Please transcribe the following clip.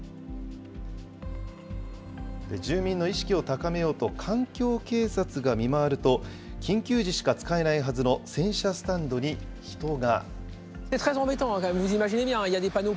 住民の意識を高めようと、環境警察が見回ると、緊急時しか使えないはずの洗車スタンドに人が。